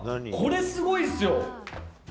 出た、これすごいっすよ。